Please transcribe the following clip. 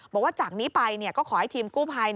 บอกว่าจากนี้ไปก็ขอให้ทีมกู้ภัย